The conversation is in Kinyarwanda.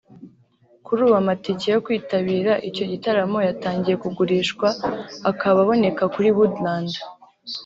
Kuri ubu amatike yo kwitabira icyo gitaramo yatangiye kugurishwa akaba aboneka kuri Wood Land